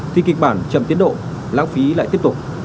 thì kịch bản chậm tiến độ lãng phí lại tiếp tục